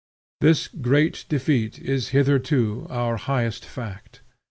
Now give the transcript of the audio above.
This great defeat is hitherto our highest fact.